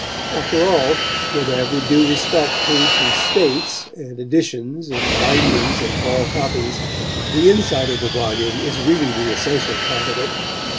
After all, with every due respect paid to "states" and editions and bindings and tall copies, the inside of the volume is really the essential part of it.